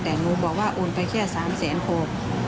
แต่หนูบอกว่าโอนไปแค่สามแสนโคบ